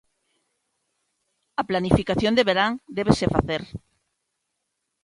A planificación de verán débese facer.